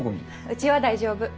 うちは大丈夫。